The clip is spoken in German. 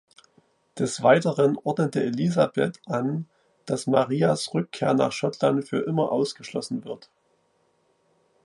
Des Weiteren ordnete Elisabeth an, dass Marias Rückkehr nach Schottland für immer ausgeschlossen wird.